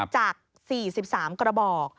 จาก๔๓กระบอก